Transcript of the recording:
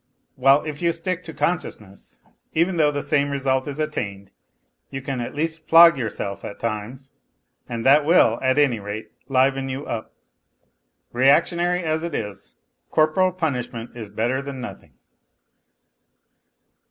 While if you stick to consciousness, even though the same result is attained, you can at least flog j'ourself at times, and that will, at any rate, liven you up. Reactionary as it is, corporal punishment is better than nothing.